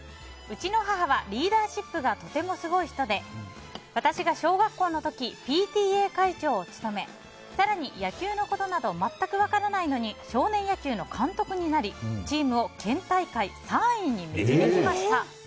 うちの母はリーダーシップがとてもすごい人で私が小学校の時ＰＴＡ会長を務め更に野球のことなど全く分からないのに少年野球の監督になりチームを県大会３位に導きました。